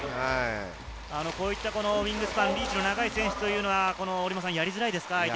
こういったウイングスパン、リーチの長い選手はやりづらいですか？